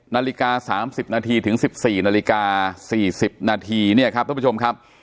นาฬิกา๓๐นาทีถึง๑๔นาฬิกา๔๐นาทีเนี่ยครับท่านผู้ชมครับ